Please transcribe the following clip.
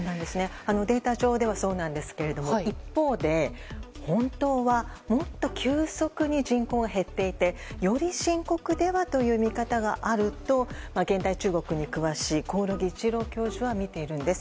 データ上ではそうなんですが一方で、本当はもっと急速に人口が減っていてより深刻ではという見方があると現代中国に詳しい興梠一郎教授はみているんです。